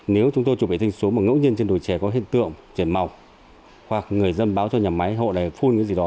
nếu chúng tôi chụp vệ tinh xuống mà ngẫu nhiên trên đồi chè có hiện tượng chuyển mọc hoặc người dân báo cho nhà máy hộ để phun cái gì đó